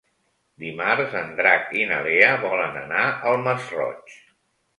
Dimarts en Drac i na Lea volen anar al Masroig.